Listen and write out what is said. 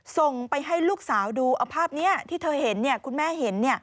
ส่งไปให้ลูกสาวดูเอาภาพนี้ที่เธอเห็นคุณแม่เห็น